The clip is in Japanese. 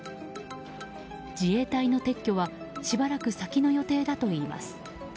自衛隊の撤去はしばらく先の予定だといいます。